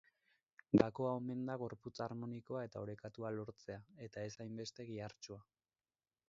Gakoa omen da gorputz harmonikoa eta orekatua lortzea, eta ez hainbeste gihartsua.